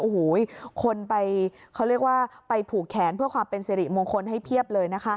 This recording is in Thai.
โอ้โหคนไปเขาเรียกว่าไปผูกแขนเพื่อความเป็นสิริมงคลให้เพียบเลยนะคะ